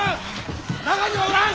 中にはおらん！